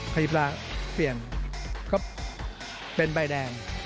พยาบาลเปลี่ยนก็เป็นใบแดง